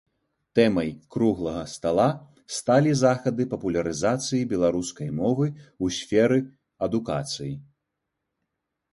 Тэмай круглага стала сталі захады папулярызацыі беларускай мовы ў сферы адукацыі.